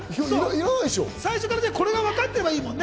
最初からこれがわかってればいいもんね。